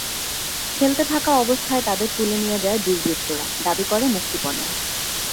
খেলতে থাকা অবস্থায় তাদের তুলে নিয়ে যায় দুর্বৃত্তরা, দাবি করে মুক্তিপণের।